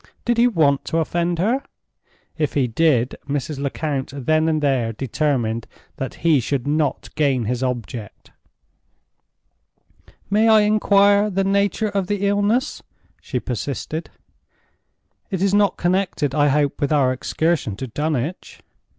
Did he want to offend her? If he did, Mrs. Lecount then and there determined that he should not gain his object. "May I inquire the nature of the illness?" she persisted. "It is not connected, I hope, with our excursion to Dunwich?"